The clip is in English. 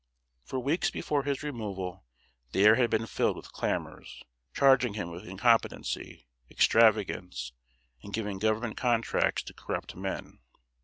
For weeks before his removal the air had been filled with clamors, charging him with incompetency, extravagance, and giving Government contracts to corrupt men.